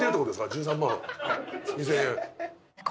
１３万２０００円。